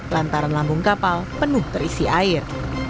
lantaran lambung kapal penuh terisi air